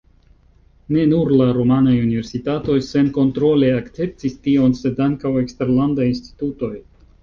Ne nur la rumanaj universitatoj senkontrole akceptis tion, sed ankaŭ eksterlandaj institutoj.